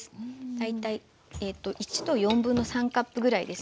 大体１3/4カップぐらいですね。